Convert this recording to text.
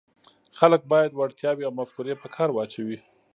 خلک باید وړتیاوې او مفکورې په کار واچوي.